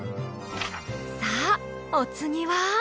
さあお次は？